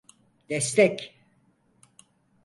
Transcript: Destek.